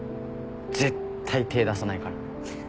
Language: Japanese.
絶対手出さないから。